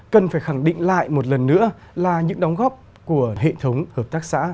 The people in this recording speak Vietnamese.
cần phải khẳng định lại một lần nữa là những đóng góp của hệ thống hợp tác xã